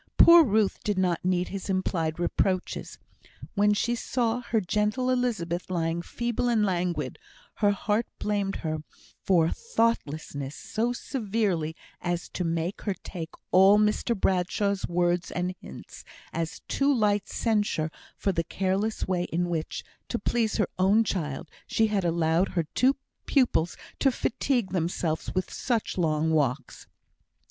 Poor Ruth did not need his implied reproaches. When she saw her gentle Elizabeth lying feeble and languid, her heart blamed her for thoughtlessness so severely as to make her take all Mr Bradshaw's words and hints as too light censure for the careless way in which, to please her own child, she had allowed her two pupils to fatigue themselves with such long walks.